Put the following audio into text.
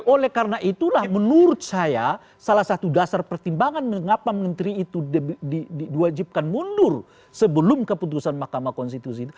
oleh karena itulah menurut saya salah satu dasar pertimbangan mengapa menteri itu diwajibkan mundur sebelum keputusan mahkamah konstitusi